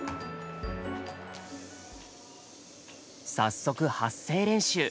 早速発声練習。